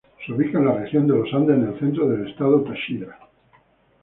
Se ubica en la región de Los Andes, en el centro del estado Táchira.